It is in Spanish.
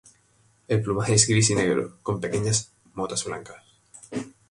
El plumaje es gris y negro, con pequeñas motas blancas.